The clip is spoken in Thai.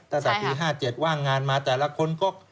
ตั้งแต่ปี๕๗ว่างงานมาแต่ละคนก็